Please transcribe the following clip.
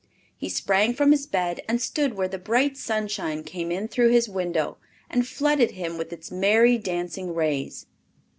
He sprang from his bed and stood where the bright sunshine came in through his window and flooded him with its merry, dancing rays.